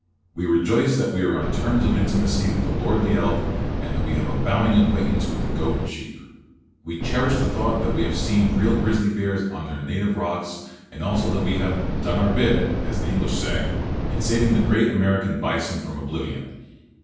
We rejoice that we are on terms of intimacy with the lordly elk, and that we have a bowing acquaintance with the goat and sheep. We cherish the thought that we have seen real grizzly bears on their native rocks, and also that we have "done our bit," as the English say, in saving the great American bison from oblivion.